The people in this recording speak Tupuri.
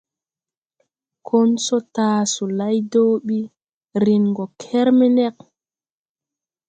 Konsɔ taa solay do bi, ren gɔ kermeneg.